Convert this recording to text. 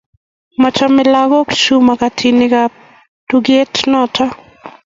machamei lagookchu makatinikab tuketnoto